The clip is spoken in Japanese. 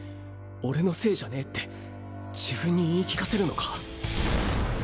俺のせいじゃねぇ」って自分に言い聞かせるのか？